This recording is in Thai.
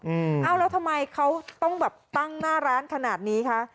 เอ้าแล้วทำไมเขาต้องแบบตั้งหน้าร้านขนาดนี้คะ